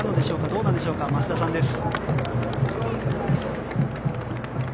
どうなんでしょうか増田さんです。